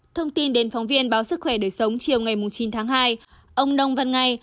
thông tin đến phóng viên báo sức khỏe đời sống chiều ngày chín tháng hai ông nông văn ngay